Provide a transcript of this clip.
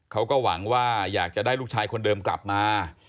เขาก็หวังว่าอยากจะได้ลูกชายคนเดิมกลับมา